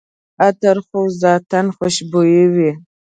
عطر خو ذاتاً خوشبویه وي.